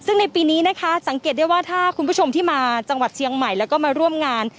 ซึ่งในปีนี้นะคะสังเกตได้ว่าถ้าคุณผู้ชมที่มาจังหวัดเชียงใหม่แล้วก็มาร่วมงาน